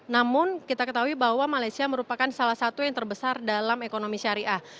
namun kita ketahui bahwa malaysia merupakan salah satu yang terbesar dalam ekonomi syariah